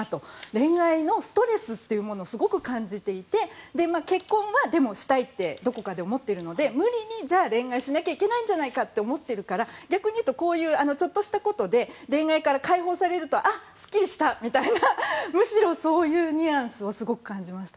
恋愛のストレスをすごく感じていて結婚は、でもしたいってどこかで思っているので無理に恋愛しなきゃいけないんじゃないかって思っているから逆に言うとこういう、ちょっとしたことで恋愛から解放されるとあっ、すっきりしたみたいなむしろ、そういうニュアンスをすごく感じました。